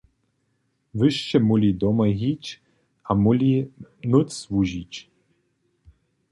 Wy sće móhli domoj hić a móhli nóc wužić.